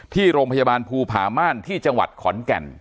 ที่โรงพยาบาลภูผาม่านที่จังหวัดขอนแก่น